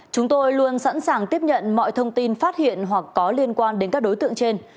chúng tôi luôn sẵn sàng tiếp nhận mọi thông tin phát hiện hoặc có liên quan đến các đối tượng trên